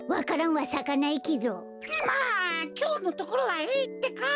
まあきょうのところはいいってか！